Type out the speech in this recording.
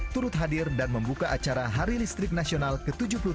turut hadir dan membuka acara hari listrik nasional ke tujuh puluh tiga